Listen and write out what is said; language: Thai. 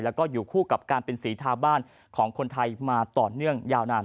แล้วก็อยู่คู่กับการเป็นสีทาบ้านของคนไทยมาต่อเนื่องยาวนาน